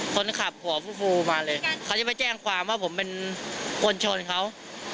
คนขับหัวฟูฟูมาเลยเขาจะไปแจ้งความว่าผมเป็นคนชนเขา